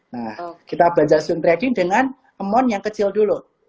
nah kita belajar swing trading dengan amon yang kecil dulu